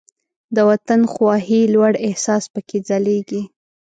د وطن خواهۍ لوړ احساس پکې ځلیږي.